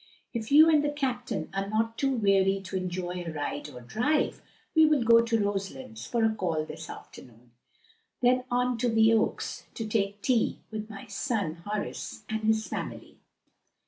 If you and the captain are not too weary to enjoy a ride or drive, we will go to Roselands for a call this afternoon, then on to the Oaks to take tea with my son Horace and his family."